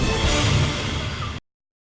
terima kasih banyak